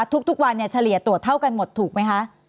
ทุกวันเนี่ยเฉลียตรวจเท่ากันหมดถูกมั้ยคะ